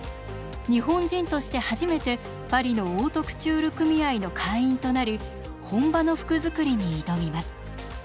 日本人として初めてパリのオートクチュール組合の会員となり本場の服作りに挑みます。